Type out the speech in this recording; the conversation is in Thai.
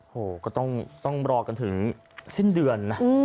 โอ้โหก็ต้องรอกันถึงสิ้นเดือนนะ